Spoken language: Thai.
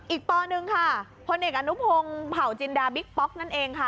ปหนึ่งค่ะพลเอกอนุพงศ์เผาจินดาบิ๊กป๊อกนั่นเองค่ะ